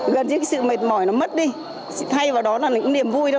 gần như cái sự mệt mỏi nó mất đi thay vào đó là những niềm vui thôi